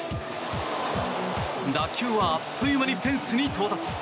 打球はあっという間にフェンスに到達。